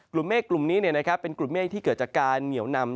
กลุ่มเมฆกลุ่มนี้เป็นกลุ่มเมฆที่เกิดจากการเหนียวนำ